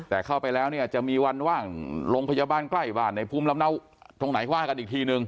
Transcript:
แต่เข้าไปแล้วเนี่ยจะมีวันว่างโรงพยาบาลใกล้บ้านในภูมิลำเนาตรงไหนว่ากันอีกทีนึง